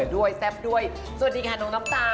สวัสดีค่ะน้องน้ำตาล